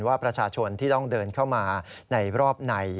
ว่าประชาชนที่ต้องเดินเข้ามาในรอบใน